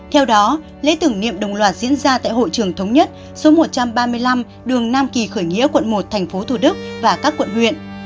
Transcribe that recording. theo đó lễ tưởng niệm đồng loạt diễn ra tại hội trường thống nhất số một trăm ba mươi năm đường nam kỳ khởi nghĩa quận một tp thủ đức và các quận huyện